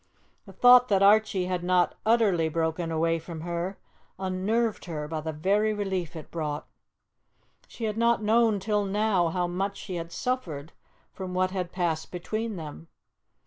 The thought that Archie had not utterly broken away from her unnerved her by the very relief it brought. She had not known till now how much she had suffered from what had passed between them.